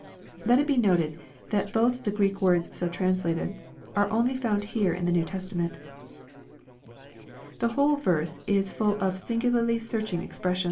'] Let it be noticed that both the Greek words so translated, are only found here in the New Testa ment The whole verse is full of singularly searching expressions.